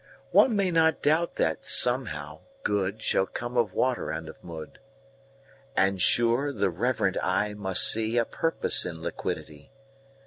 9One may not doubt that, somehow, Good10Shall come of Water and of Mud;11And, sure, the reverent eye must see12A Purpose in Liquidity.